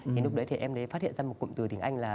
thì lúc đấy em phát hiện ra một cụm từ tiếng anh là